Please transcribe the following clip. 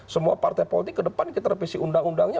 semua partai politik kedepan kita revisi undang undangnya